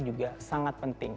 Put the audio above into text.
juga sangat penting